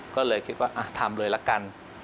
ก็เลยคิดว่าทำเลยละกัน